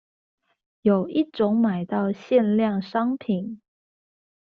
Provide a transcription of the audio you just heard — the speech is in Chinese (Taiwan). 有一種買到限量商品